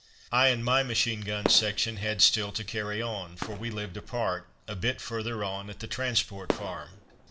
I and my machine gun section had still to carry on, for we lived apart, a bit further on, at the Transport Farm.